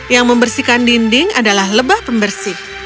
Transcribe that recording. yang membersihkan dinding adalah lebah pembersih